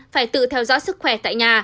phải tự theo dõi sức khỏe tại nhà